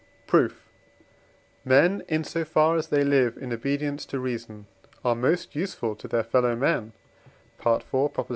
Proof. Men, in so far as they live in obedience to reason, are most useful to their fellow men (IV.